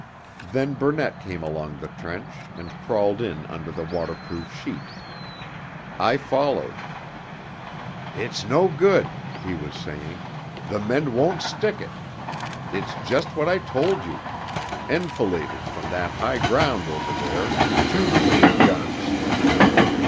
Then Burnett came along the trench, and crawled in under the waterproof sheet. I followed. 'It's no good,' he was saying, 'the men won't stick it. It's just what I told you ... enfiladed from that high ground over there two machine guns....'